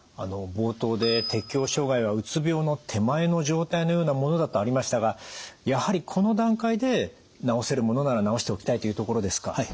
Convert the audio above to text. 冒頭で適応障害はうつ病の手前の状態のようなものだとありましたがやはりこの段階で治せるものなら治しておきたいというところですか？